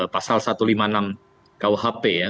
pasal satu ratus lima puluh enam kuhp ya